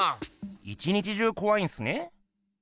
一日中こわいんすね？